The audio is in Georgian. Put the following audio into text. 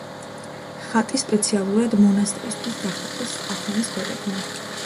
ხატი სპეციალურად მონასტრისთვის დახატეს ათონის ბერებმა.